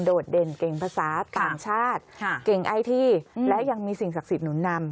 ดเด่นเก่งภาษาต่างชาติเก่งไอทีและยังมีสิ่งศักดิ์สิทธิหนุนนำ